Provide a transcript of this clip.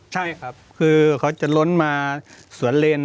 ใช่ครับคือเขาจะล้นมาสวนเลน